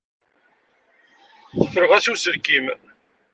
Qefleɣ-as i uselkim.